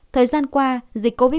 thời gian qua dịch covid một mươi chín